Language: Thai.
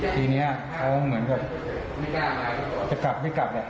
ทีนี้เขาเหมือนกับจะกลับไม่กลับ